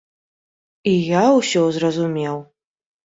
І я ўсё зразумеў.